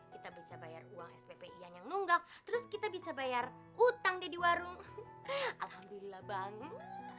kita bisa bayar uang sppian yang nunggak terus kita bisa bayar hutang deh di warung alhamdulillah banget